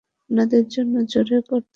উনাদের জন্য জোরে করতালি!